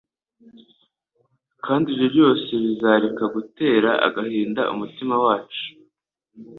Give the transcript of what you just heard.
kandi ibyo byose bizareka gutera agahinda umutima wacu.